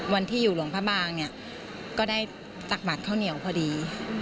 วันที่อยู่หลวงพระบางเนี่ยก็ได้ตักบัตรข้าวเหนียวพอดี